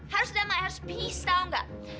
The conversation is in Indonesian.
harus damai harus peace tahu nggak